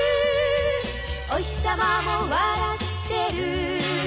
「おひさまも笑ってる」